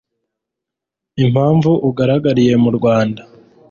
impamvu agaragariye mu rwanda